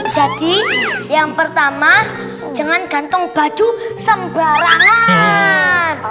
jadi yang pertama jangan gantung baju sembarangan